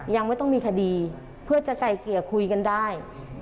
ยังไม่ต้องมีคดีเพื่อจะไกลเกลี่ยคุยกันได้